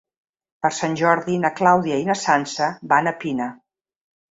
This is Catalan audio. Per Sant Jordi na Clàudia i na Sança van a Pina.